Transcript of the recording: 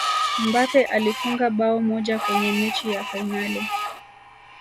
mbappe alifunga bao moja kwenye mechi ya fainali